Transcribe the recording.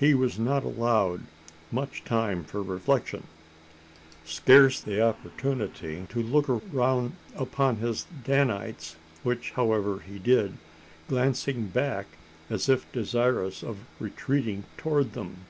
He was not allowed much time for reflection: scarce the opportunity to look round upon his Danites, which, however, he did glancing back as if desirous of retreating towards them.